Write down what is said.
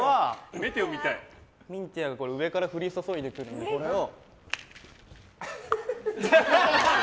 ミンティアが上から降り注いでくるこれを。